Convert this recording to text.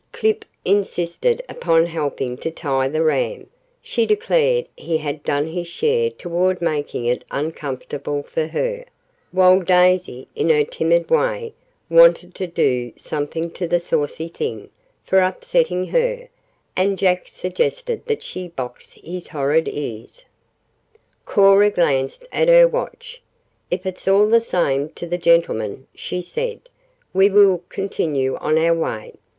Clip insisted upon helping to tie the ram she declared he had done his share toward making it uncomfortable for her while Daisy, in her timid way, wanted to do something to the "saucy thing" for upsetting her, and Jack suggested that she "box his horrid ears." Cora glanced at her watch. "If it's all the same to the gentlemen," she said, "we will continue on our way.